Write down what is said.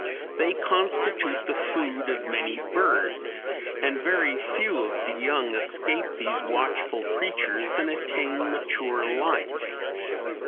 They constitute the food of many birds, and very few of the young escape these watchful creatures and attain mature life.